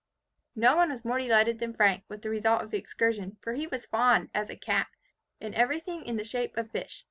No one was more delighted than Frank, with the result of the excursion; for he was fond, as a cat, of everything in the shape of fish.